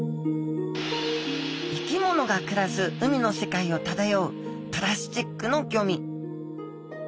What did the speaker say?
生き物が暮らす海の世界を漂うプラスチックのゴミ。